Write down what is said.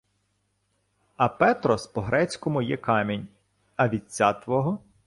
— А «петрос» по-грецькому є камінь. А вітця твого?